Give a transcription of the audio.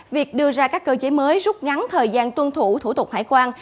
việc đưa ra các cơ chế mới rút ngắn thời gian tuân thủ thủ tục hải quan